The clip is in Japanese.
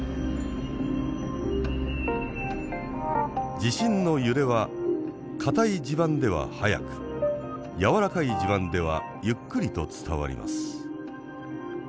地震の揺れはかたい地盤では速くやわらかい地盤ではゆっくりと伝わります。